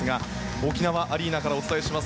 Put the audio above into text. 沖縄アリーナからお伝えします。